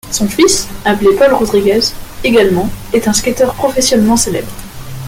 Son fils, appelé Paul Rodriguez également, est un skateur professionnel célèbre.